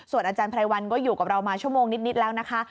อาจารย์ไพรวัลก็อยู่กับเรามาชั่วโมงนิดแล้วนะคะ